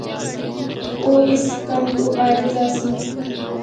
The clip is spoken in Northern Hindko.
او اس کم تو عاجز آسیاں۔